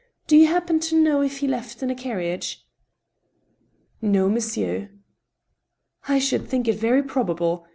... Do you happen to know if he left in a carriage ?"" No, moiisieur." " I should think it very probable.